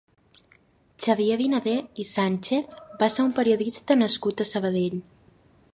Xavier Vinader i Sánchez va ser un periodista nascut a Sabadell.